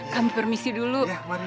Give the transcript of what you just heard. kami permisi dulu